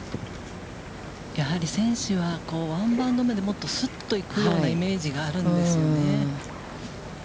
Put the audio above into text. やはり選手は、ワンバウンドめでもっと、すっといくイメージがあるんですよね。